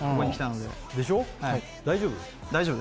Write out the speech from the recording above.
大丈夫？